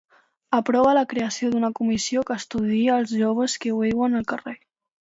Aprova la creació d'una comissió que estudiï els joves que viuen al carrer.